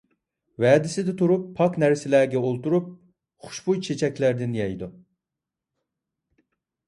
ۋەدىسىدە تۇرۇپ، پاك نەرسىلەرگە ئولتۇرۇپ، خۇشبۇي چېچەكلەردىن يەيدۇ.